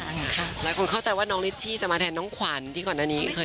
หลายคนเข้าใจว่าน้องลิชชี่จะมาแทนน้องขวัญที่ก่อนหน้านี้เคย